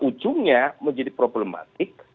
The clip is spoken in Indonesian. ujungnya menjadi problematik